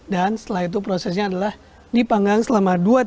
dan setelah itu prosesnya adalah dipanggang selama dua tiga jam